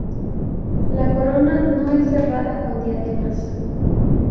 La corona no es cerrada con diademas.